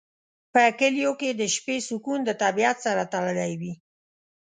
په کلیو کې د شپې سکون د طبیعت سره تړلی وي.